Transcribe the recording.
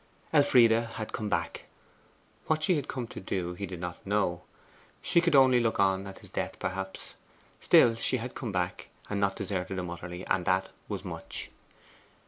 Elfride had come back. What she had come to do he did not know. She could only look on at his death, perhaps. Still, she had come back, and not deserted him utterly, and it was much.